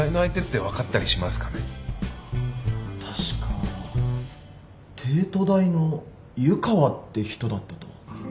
確か帝都大の湯川って人だったと。